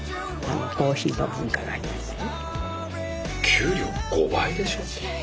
給料５倍でしょ？